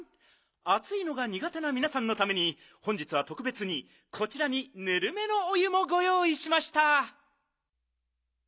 あついのがにがてなみなさんのために本日はとくべつにこちらにぬるめのお湯もごよういしました。